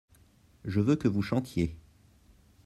je veux que vous chantiez.